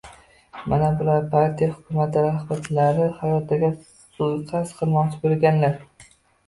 — Mana bular - partiya-hukumat rahbarlari hayotiga suiqasd qilmoqchi bo‘lganlar.